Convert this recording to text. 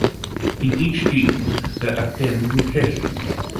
In each team there are ten contestants.